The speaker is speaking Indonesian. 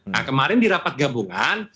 nah kemarin di rapat gabungan